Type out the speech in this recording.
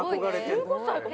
１５歳か。